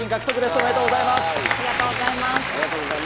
おめでとうございます。